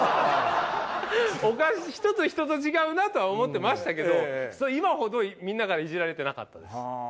ひとと違うなとは思ってましたけど今ほどみんなからイジられてなかったです。